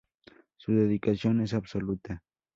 Su dedicación es absoluta.